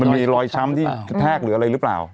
มีรอยช้ำที่กระแทกหรืออะไรหรือเปล่า